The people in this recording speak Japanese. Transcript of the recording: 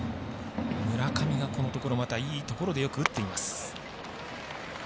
村上がこのところまたいいところで打っています。